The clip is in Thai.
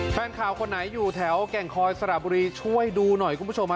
แฟนข่าวคนไหนอยู่แถวแก่งคอยสระบุรีช่วยดูหน่อยคุณผู้ชมฮะ